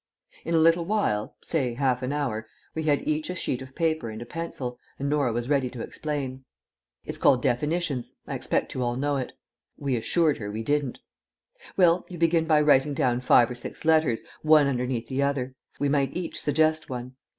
In a little while say, half an hour we had each a sheet of paper and a pencil, and Norah was ready to explain. "It's called Definitions. I expect you all know it." We assured her we didn't. "Well, you begin by writing down five or six letters, one underneath the other. We might each suggest one.